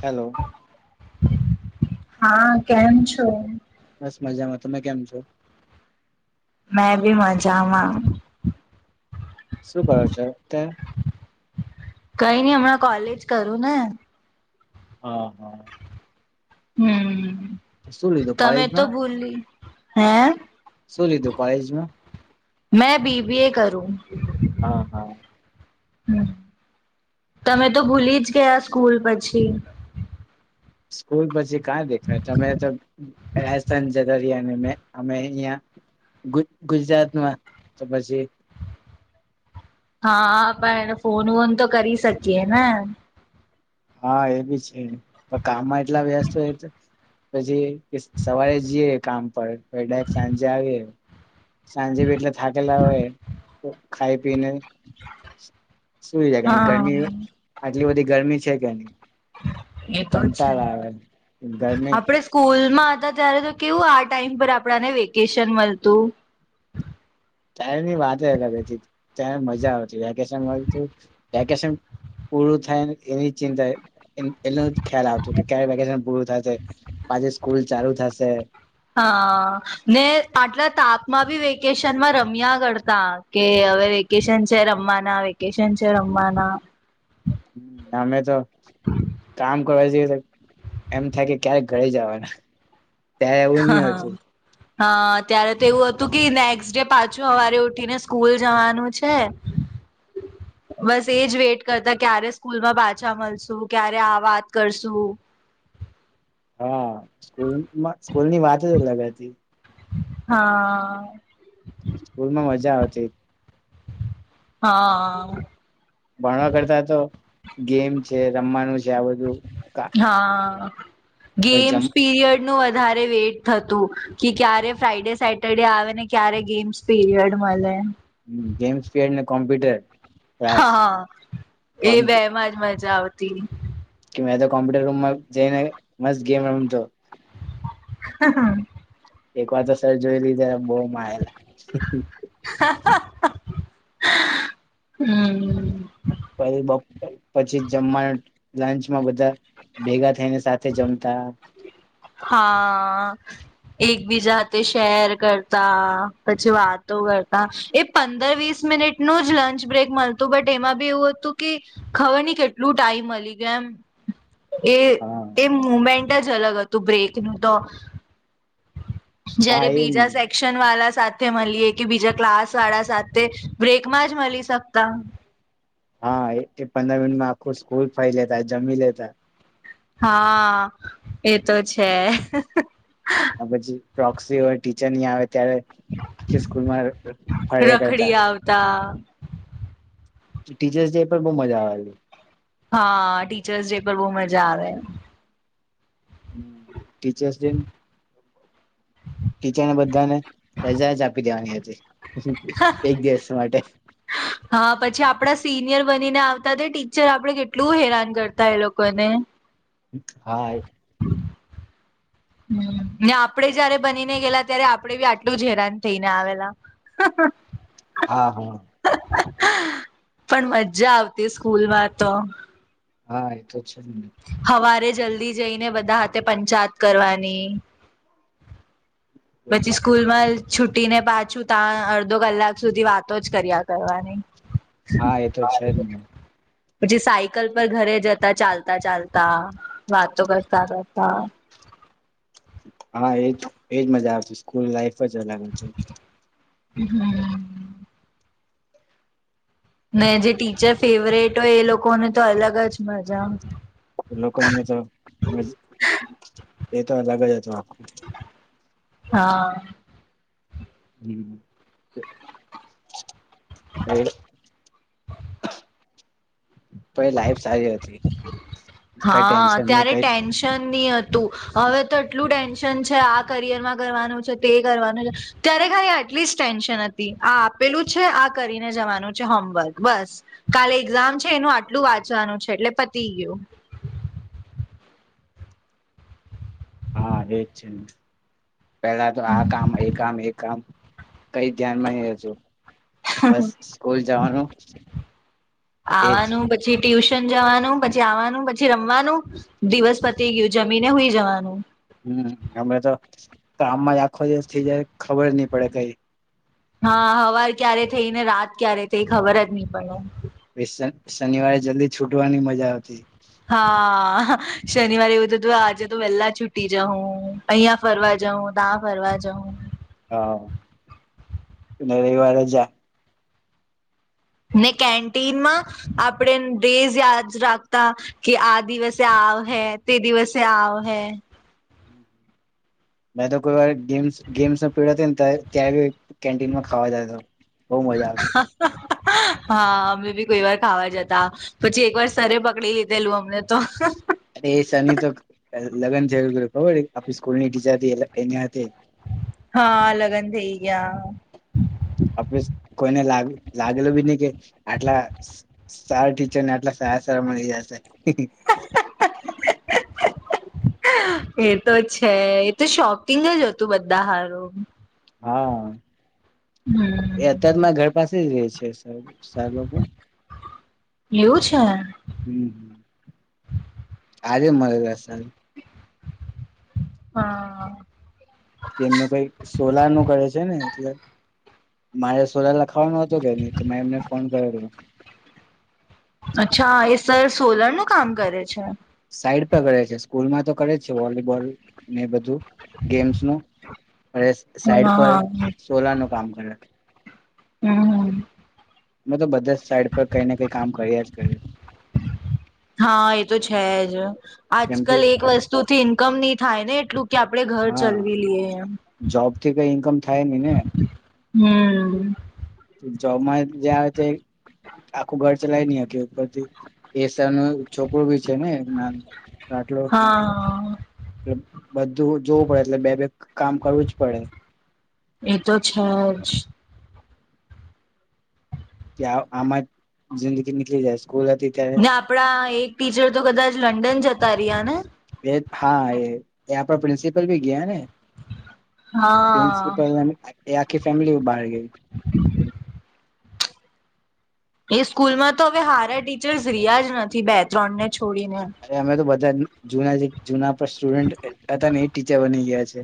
Hello. હા, કેમ છો? બસ મજામાં, તમે કેમ છો? મેં બી મઝામાં. શું કરો છો તે? કંઈ ની અમણાં કોલેજ કરું ને? હા હા હમ્મ. શું લીધું તમે તો કોલેજમાં ભૂલી હેં? શું લીધું કોલેજમાં? મેં બી બી એ કરું. હા હા હ, તમે તો ભૂલી જ ગયા સ્કૂલ પછી. સ્કૂલ, પછી કા દેખાય, તમે તો રાજસ્થાન જત દરિયાની, મે અમે અહિયાં ગુ ગુજરાતમાં તો પછી હા, અ પણ ફોન વોન તો કરી શકીએ ને. હા એ બી છે, પણ કામમાં એટલા વ્યસ્ત હોય, પછી સવારે જીએ કામ પર પય ડાયરેક્ટ, સાંજે આવયે. સાંજે બી, એટલે થાકેલા હોય. તો ખાય, પીને શું લાગે, હા ગરમી આટલી બધી ગરમી છે. [inaudible] એતો છે, કંટાળ આવે ગરમી આપડે સ્કૂલ મા હતા, ત્યારે તો કેવું આ ટાઈમ પર આપડાને વેકેશન મળતું. ટાઈમ ની વાત અલગ જ હતી ત્યારે મજા આવતી વેકેશન મળતું, વેકેશન પૂરું થાય એની ચિંતા એનો જ ખ્યાલ આવતો, કે ક્યારે વેકેશન પૂરું થશે પાછી સ્કૂલ ચાલુ થશે. હા, ને આટલા તાપ માં ભી વેકેશનમાં રમ્યા કરતા કે હવે વેકેશન છે, રમવાના, વેકેશન છે, રમવાના. હ અ, અવે તો કામ કરવા જીયે, તો એમ થાય કે ક્યારે ઘરે જવાના. ત્યા, એવુ ની હતું. હા, ત્યારે તો એવું હતું કે નેક્સ્ટ ડે પાછું સવારે ઉઠીને સ્કૂલ જવાનું છે. બસ એજ વેઇટ કરતા ક્યારે સ્કૂલ માં પાછા મળશુ, ક્યારે આ વાત કરશુ. હા, સ્કૂલમાં સ્કૂલની વાત જ અલગ હતી. હા, અ. સ્કૂલ માં, મજા આવતી. હા, અ. ભણવા કરતા તો ગેમ છે, રમવાનું છે. આ બધું હા, ગેમ્સ પીરિયડ નું વધારે વેટ થતું, કે ક્યારે ફ્રાઈડે, સેટરડે આવે ને, ક્યારે ગેમ્સ પીરિયડસ મળે. ગેમ્સ, પ ને કોમ્પ્યુટર. ક્લાસ હા હા, એ બેમાં જમાં જ. જાવતી. કે કોમ્પ્યુટર રૂમમાં જઈને, મસ્ત ગેમ એમતો. હ. એક વાર તો સર જોઈ, લીધે બહ. માલા. હમ. પ પછી, જમવાનું લંચ. બધા ભેગા, થઈને સાથે જમતા. હા, એકબીજા તે શેર કરતા પછી વાતો કરતા એ પંદર વીસ મિનિટ ન જ લંચ બ્રેક મળતું બટ એમાં બી એવું હતું, કે ખબર ની કેટલું ટાઈમ મળ ગયો એમ એ હા એ મુમેન્ટ જ અલગ હતું. તું, બ્રેકનું તો. હા જયારે, એ બીજા સેક્શન વાળા. સાથે મળીએ કે બીજા, ક્લાસ વાળા સાથે બ્રેક માં જ મળી શકતા. હા પંદર મિનિટમાં આખું સ્કૂલ ફરી લેતા જમી લેતા હા એ તો છે. પછી પ્રોક્સી હોય ટીચરને ઈ આવે. ત્યારે સ્કૂલમાં ફર્યા રખડી કરતા. આવતા ટીચર્સ ડે પર પણ બવ મજા આવેલી. હા ટીચર્સ ડે પર બહુ મજા આવે એમ. હમ ટીચર્સ ડે ટીચરને બધાને રજા જ આપી દેવાની હતી એક દિવસ માટે હા પછી આપડા સિનિયર બનીને આવતાને ટીચર આપડે કેટલું હેરાન કરતા એ લોકોને. હા. ને આપડે જયારે બનીને ગયેલા ત્યારે આપડે બી આટલું જ હેરાન થઈને આવેલા. હા હા. પણ મજા આવતી સ્કૂલ માં તો. હા એ તો અચ્છા. હવારે જલ્દી જઈને બધા હાથે પંચાયત કરવાની પછી સ્કૂલ માં છુટી ને પાછું ત્યાં અડધો કલાક સુધી વાતો જ કર્યા કરવાની. હા એ તો છે જ ને પછી સાયકલ ઘરે જતા ચાલતા ચાલતા વાતો કરતા કરતા. હા એજ એજ મજા આવતી સ્કૂલ લાઈફ. જા લાગ છે. હમ. ને જે ટીચર ફેવરેટ હોય એ લોકોને તો અલગ જ મજા આવતી. લોકોકને તો એ તો અલગ જ હતો. હા. હમ. એ તો એ લાઈફ સારી હતી કઈ હા ટેન્શન નહી ત્યારે કઈ ટેન્શન નહ હતું. હવે તો એટલું ટેન્શન છે આ કરિયરમાં કરવાનું છે તે કરવાનું છે ત્યારે ખાઈ એટલીસ્ટ ટેન્શન હતી આ આપેલું છે આ કરીને જવાનું છે હોમવર્ક બસ કાલે એક્ઝામ છે એનું આટલું વાંચવાનું છે એટલે પતિ ગું હા એજ છે ને. પેલા તો આ કામ એ કામ એક કામ કઈ ધ્યાન માં છો બસ સ્કૂલ જવાનું એજ. આવાનું પછી ટ્યુશન જવાનું પછી આવવાનું, પછી રમવાનું દિવસ પતી ગયું જમીને સુઈ જવાનું હમ અ તો કામમાં આખો દિવસ થી જ ખબર નહી પડે કઈ. હા હવાર ક્યારે થઈ ને રાત ક્યારે થઈ ખબર જ નહી પડે. શનિવારે જલ્દી છૂટવાની મજા આવતી. હા શનિવારે એવું થું હતું આજે તો વેલા છૂટી જાઉં અહિયાં ફરવા જઉં ત્યાં ફરવા જઉં. હા રવિવારે ને કેન્ટીનમાં આપણે ડેઝ યાદ રાખતા કે આ દિવસે આવ હે તે દિવસે આવ હે. મે તો કોઈ વાર ગ્ ગેમ્સ ન પ ને ત કેન્ટીનમાં ખાવા જ હતો. બઉ મજા આવશે. હા અમે બી કોઈ વાર ખાવા જતા પછી એક વાર સરે પકડી લીધેલું અમને તો. અરે એ શની તો લગ્ન થયું ખબર આપણી સ્કૂલની ટીચર એના હા લગ્ન થઇ ગયા. આપ કોઈને લાગેલું બી નહ કે આટલા સારા ટીચરને આટલા સારા સારા મળી જશે. [unintelligible] એ તો છે એ તો શોપિંગ જ હતું બધા હારું. હા હમ એ અત્ય મારા ઘર પાસે જ રેય છે. હ સાર લોકો એવું છે હમ. આજે મળરે લા સર. હા એમનું કઈ મારા સોલ ખાવા નતું કે નહી તો મેં એમને ફોન કરેલો અચ્છા એ સર સોલર નું કામ કરે છે. સાઈડ પર કરે છે સ્કૂલમાં તો કરે છે વોલીબોલ ને એ બધું ગેમ્સ ન અને સાઈડ પર હા સોલારનુ કામ કરે. હમ અ તો બધા સાઈડ પર કઈ ને કઈ કામ કર્યા જ કર છેેજ. આજ કલ એક વસ્તુ થી ઇન્કમ નહી થાય ને એટલું. કે આપડે ઘર હા ચલવી લઈએ એમ જોબથી કઈ ઈન્કમ થાય ને ને. હમ. જોબમાં જ આવે છે આખું ઘર ચલાય નહી હરથી એસા ન છોકરું બી છે ને આટલું. હા બધું જોવું પડે એટલે બે બે કામ કરવું જ પડે. એતો છે જ. કે આમાં જિંદગી નીકળી જાય છે. ને આપડા એક ટીચર તો કદાચ લંડન જતા. તારીને. એ હા એ આપણા પ્રિન્સિપલ ભી ગયા ને. હા પ્રિન્સિપલ એ આખી ફેમિલી બહાર ગઈ. એ સ્કૂલમાં, તો હવે, હારા ટીચર્સ રહ્યા જ નથી, બે ત્રણ ને. છોડીને અરે અમે તો બજાજ નો. જૂના જે જૂના. સ્ટુડન્ટ હતા, ને એ ટીચર બની ગયા છે.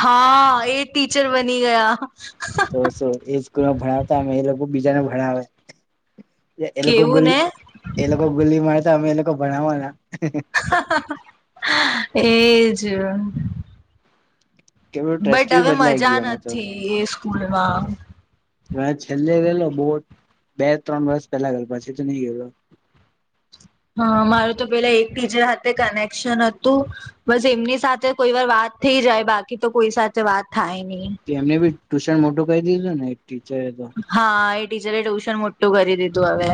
હા એ ટીચર બની ગયા તો એ, સ્કૂલ ભણાવતા અમે એ લું. બીજાને ભણાવે. એ લોકો ગ કેવું ને એ લોકો ગુલી માતા અમે એ લોકો. ભણવાના. હા, હા. એજ. કેલું બટ ટ્રસ્ટી બી હવે બદલાઈ મજા ગયું અમે તો નથી, એ સ્કૂલમાં. હ, છેલ્લે ગેલો બોટ, બે ત્રણ વર્ષ પેલા ગ પાછી, તો નહી ગલો. હા, મારું તો પેલા એક ટીજર સાથે કનેક્શન હતું, બસ એમની સાથે કોઈ વાર વાત થઈ જાય, બાકી તો કોઈ સાથે વાત. થાય નહી એમને બી ટુશન મોટું કહી દીધું ને. ટીચરે તો હા, એ. ટીચરે, ટ્યુશન મોટું કરી દીધું હવે.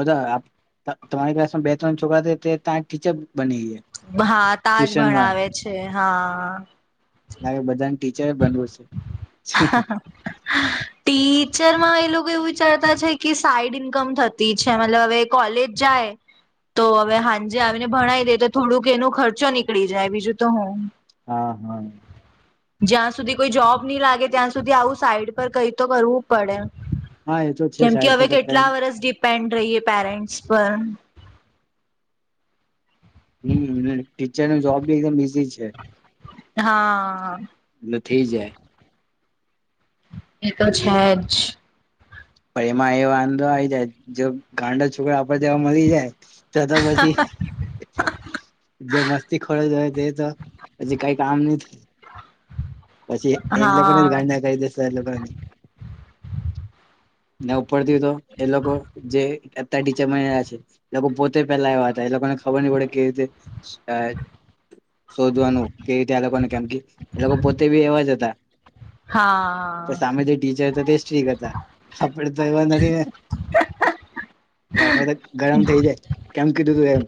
બધા તમારી, ક્લાસમાં બે ત્રણ છોકરા છે, તે ત ટીચર. બની ગયા હા, તાજ ટ્યુશનમાં ભણાવે છે, હા. લાગે બધાને ટીચર, બનવું છે. ટી. ફચરમાં એ લોકો એવું વિચારતા છે, કે સાઈડ ઇન્કમ થતી છે મતલબ હવે કોલેજ જાય, તો હવે હાજે આવીને ભણાવ દે તો થોડુંક એનો ખર્ચો નીકળી જાય, બીજું તો હું. હા, હા. જ્યાં, સુધી કોઈ જોબ. લાગે, ત્યાં સુધી આવું સાઈડ પર કઈ, તો કરવું પડે. હા એ તો છે કેમ કે સાઈડ હવે, પર તો કેટલા કઈ વર્ષ ડિપેન્ડ. રહીએ પેરન્ટ્સ પર. હમ, ટીચર ન જોબ બી એકમ. હા નથી, જાય. એકછા, જ. પણ એમાં એ વાંધો આવી જાય, જો ગાંડો છોકરા આપડ જેવા મળરી જાય. તો, તો પછી. જે મસ્તી ખોડ હોય, તે તો પછી કઈ કામ નહી, થાય. પછી, એ લોકોને જ હા ગાડા કરી દેશે, એ લોકો. નવ. ડતી, તો એ લોકો જે. તે ટીચર મળ્યા છે, એ લોકો પોતે પેલા આવ્યા હતા, એ લોકોને ખબર નહી પડે કે રીતે આ શોધવાનું કે રીતે આ લોકોને કેમ કે એ લોકો પોતે તે બી એવા હતા, પણ હા સામે જે ટીચર હતા, તે સ્ટ્રીક હતા, આપડ તો એવા નથી ને કે આપડે તો ગરમ થઈ જાય કેમ કીધું તું એમ.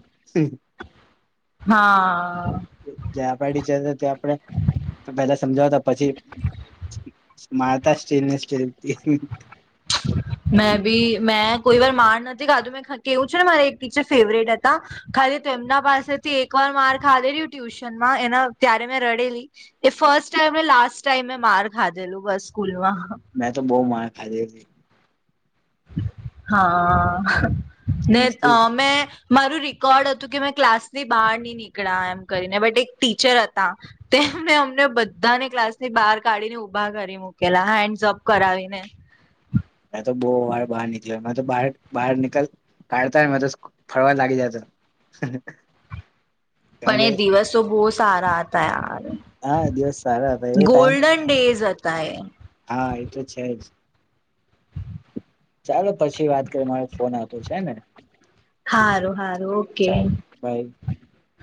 હા જે આપડા ટીચર ત્યા આપડે પેલા સમજાવતા પછી મારતા સ્ટીલ ને સ્ટીલ થી મે બી મેં કોઈ વાર માર નથી ખાધું મે કેવું છે, ને મારા એક ટીચર ફેવરેટ હતા, ખાલી એમના પાસેથી એક વાર માર્ ખાધેલી ટ્યુશનમાં એના ત્યારે મેં રડેલી એ ફસ્ટ ટાઈમ ને લાસ્ટ ટાઇમ યે માર્ ખાધેલું બસ સ્કૂલમાં. મેં તો બો માર ખાધી હતી હા, હ. ને મસ્તી તમે મારું રેકોર્ડ હતું કે મેં ક્લાસ ની બહાર નહી નીકળ્યા એમ કરીને બટ એક ટીચર હતા તે મેં અમને બધાને ક્લાસ ની બહાર કાઢીને ઊભા કરી મુૂકેલા હેન્ડસ અપ કરાવીને એ તો બો વાર બહાર નીકળ્યો તો બહાર બહાર નીકળ કાઢતા ને તો ફરવા લાગી જતા હા, હા પણ એ દિવસો બો સારા તૈયાર હા એ દિવસ સારા હતાં એ ટાઈમ [unintelligible] હા એ તો છે, જ ચાલો પછી વાત કરી મારે ફોન આવતો છે, ને. હારું હારું ઓકે ચાલ બાય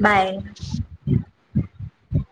બાય. [unintelligible]